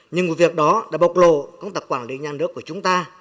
nhưng một việc đó đã bộc lộ công tập quản lý nhà nước của chúng ta